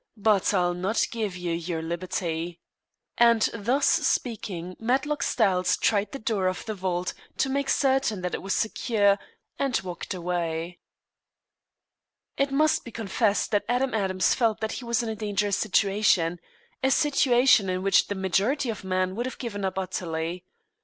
But I'll not give you your liberty," and thus speaking Matlock Styles tried the door of the vault, to make certain that it was secure, and walked away. It must be confessed that Adam Adams felt that he was in a dangerous situation a situation in which the majority of men would have given up utterly.